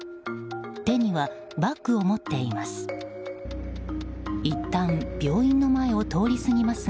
手にはバッグを持っています。